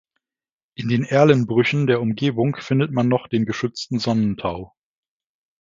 In den Erlenbrüchen der Umgebung findet man noch den geschützten Sonnentau.